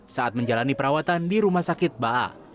saat menjalani perawatan di rumah sakit baa